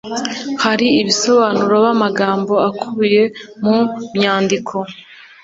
hari ibisobanuro b’amagambo akubiye mu myandiko